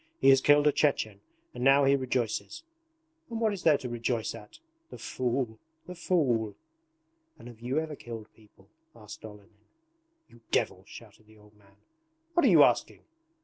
He has killed a Chechen and now he rejoices. And what is there to rejoice at? ... The fool, the fool!' 'And have you ever killed people?' asked Olenin. 'You devil!' shouted the old man. 'What are you asking?